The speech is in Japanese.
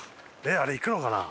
あれ行くのかな？